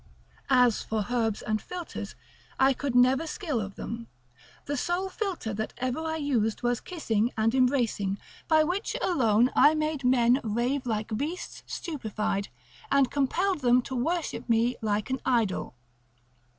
As for herbs and philters, I could never skill of them, The sole philter that ever I used was kissing and embracing, by which alone I made men rave like beasts stupefied, and compelled them to worship me like an idol.